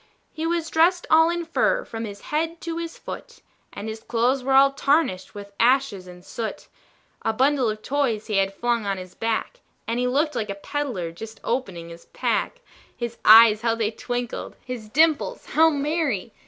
He was dressed all in fur from his head to his foot, And his clothes were all tarnished with ashes and soot; A bundle of toys he had flung on his back, And he looked like a peddler just opening his pack; His eyes how they twinkled! his dimples how merry!